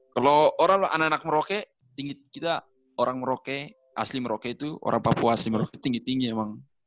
kalau anak anak merake tinggi kita orang merauke asli merauke itu orang papua asli merauke tinggi tinggi emang